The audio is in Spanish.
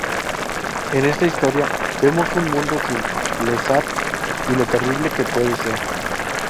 En esta historia vemos un mundo sin Lestat y lo terrible que puede ser.